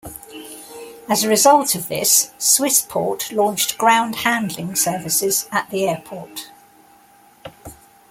As a result of this, Swissport launched ground handling services at the airport.